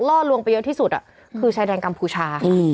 ล่อลวงไปเยอะที่สุดคือชายแดนกัมพูชา